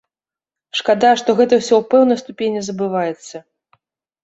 Шкада, што гэта ўсё ў пэўнай ступені забываецца.